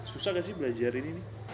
susah gak sih belajarin ini